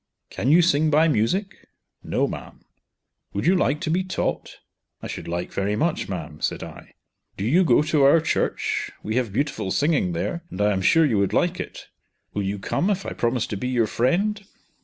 "Can you sing by music?" "No ma'am." "Would you like to be taught?" "I should like very much, ma'am," said I. "Do you go to our church? we have beautiful singing there, and I am sure you would like it. Will you come if I promise to be your friend?